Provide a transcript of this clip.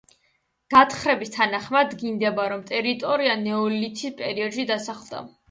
გათხრების თანახმად, დგინდება, რომ ტერიტორია ნეოლითის პერიოდში დასახლდა.